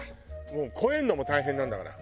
もう越えるのも大変なんだから。